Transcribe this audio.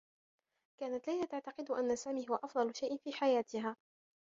كانت ليلى تعتقد أنّ سامي هو أفضل شيء في حياتها.